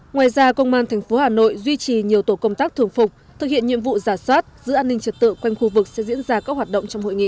ngoài ra công an tp hà nội duy trì nhiều tổ công tác thường phục thực hiện nhiệm vụ giả soát giữ an ninh trật tự quanh khu vực sẽ diễn ra các hoạt động trong hội nghị